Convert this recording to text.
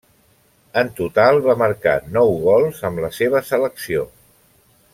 En total va marcar nou gols amb la seva selecció.